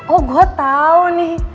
oh gue tau nih